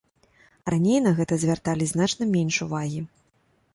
Раней на гэта звярталі значна менш увагі.